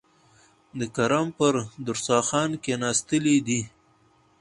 د کرم پر دسترخوان کېناستلي دي.